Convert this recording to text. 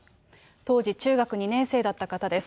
当時中学２年生だった方です。